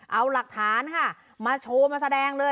เอาหลักฐานค่ะมาโชว์มาแสดงเลย